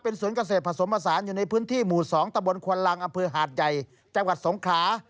สวนเกษตรผสมผสานอยู่ในพื้นที่หมู่๒ตะบนควนลังอำเภอหาดใหญ่จังหวัดสงขลา